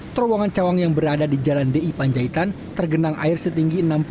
terowongan cawang yang berada di jalan di panjaitan tergenang air setinggi enam puluh